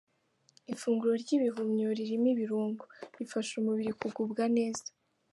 Ifunguro ry’ibihumyo ririmo ibirungo, rifasha umubiri kugubwa neza